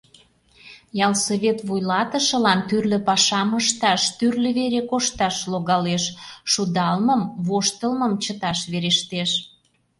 Ялсовет вуйлатышылан тӱрлӧ пашам ышташ, тӱрлӧ вере кошташ логалеш; шудалмым, воштылмым чыташ верештеш.